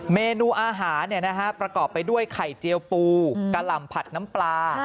เมนูอาหารประกอบไปด้วยไข่เจียวปูกะหล่ำผัดน้ำปลา